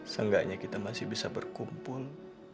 seenggaknya kita masih bisa berkumpul